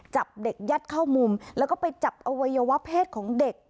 จับเด็กยัดเข้ามุมแล้วก็ไปจับอวัยวะเพศของเด็ก